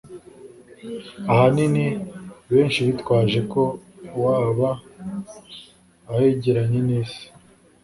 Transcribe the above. ahanini benshi bitwajeko waba ahegeranye n'isi